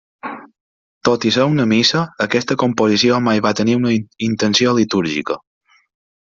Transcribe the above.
Tot i ser una missa, aquesta composició mai va tenir una intenció litúrgica.